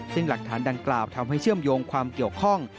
ซึ่งหลักฐานดังกล่าวทำให้เชื่อมโยงความเกี่ยวข้อง